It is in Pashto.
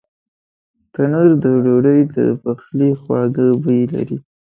تنور د ډوډۍ د پخلي خواږه بوی لري